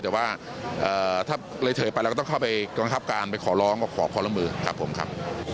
แต่ว่าถ้าเลยเผยไปเราก็ต้องเข้าไปการคับการไปขอร้องก็ขอคนละมือครับผมครับ